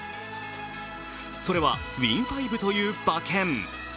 それはＷＩＮ５という馬券。